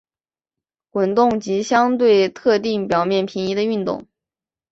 滚动及相对特定表面平移的的运动。